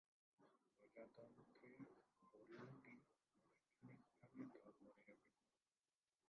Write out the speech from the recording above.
প্রজাতন্ত্রের বুরুন্ডি আনুষ্ঠানিকভাবে ধর্মনিরপেক্ষ।